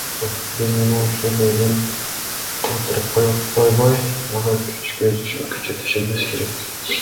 Биз муну ушул бойдон калтырып койбой, дагы күчөтүшүбүз керек.